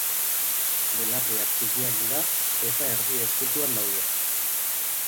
Belarriak txikiak dira eta erdi-ezkutuan daude.